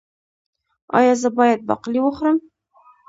ایا زه باید باقلي وخورم؟